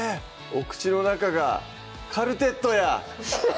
お口の中がカルテットや！